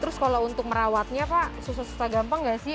terus kalau untuk merawatnya pak susah susah gampang nggak sih